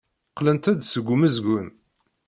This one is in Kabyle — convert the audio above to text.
Qqlent-d seg umezgun.